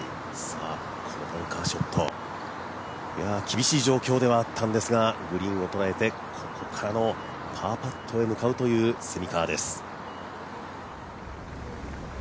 このバンカーショット、厳しい状況ではあったんですがグリーンをとらえてここからのパーパットを狙うという蝉川です。